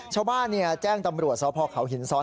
ชาวบ้านแจ้งตำรวจสพเขาหินซ้อน